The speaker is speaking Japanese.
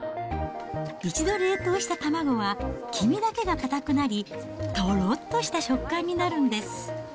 一度冷凍した卵は、黄身だけが硬くなり、とろっとした食感になるんです。